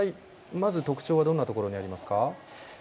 まず、特徴はどんなところにありますか？